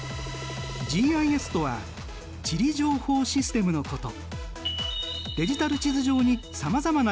ＧＩＳとは地理情報システムのこと。